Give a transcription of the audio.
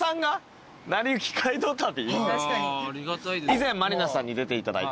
以前満里奈さんに出ていただいて。